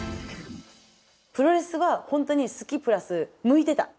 プロレスは本当に好きプラス向いてた。